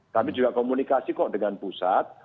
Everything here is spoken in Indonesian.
tapi juga komunikasi kok dengan pusat